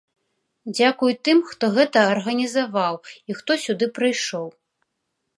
Дзякуй тым, хто гэта арганізаваў, і хто сюды прыйшоў.